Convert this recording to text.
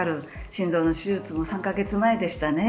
心臓の手術も３カ月前でしたね。